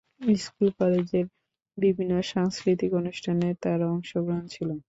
School কলেজের বিভিন্ন সাংস্কৃতিক অনুষ্ঠানে তাঁর অংশগ্রহণ ছিল।